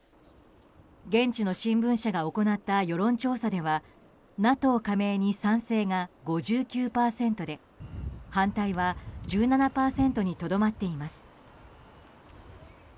現地の新聞社が行った世論調査ではＮＡＴＯ加盟に賛成が５９％で反対は１７％にとどまっています。